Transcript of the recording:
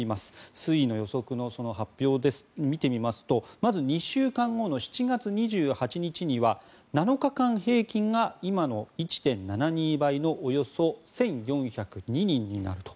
推移の予測のその発表を見てみますとまず、２週間後の７月２８日には７日間平均が今の１．２倍のおよそ１４０２人になると。